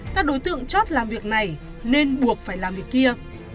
các đối tượng chót làm việc này nên buộc phải làm việc kia